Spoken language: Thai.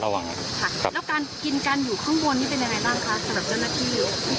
แล้วการกินกันอยู่ข้างบนนี่เป็นยังไงบ้างคะสำหรับเจ้าหน้าที่